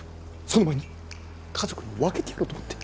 その前に家族に分けてやろうと思って。